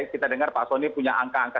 kita dengar pak soni punya angka angka